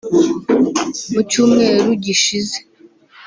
mu cyumweru gishize